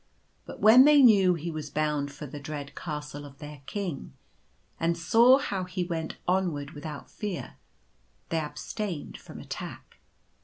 But when they knew he was bound for the dread Castle of their King, and saw how he went onward without fear, they abstained from attack.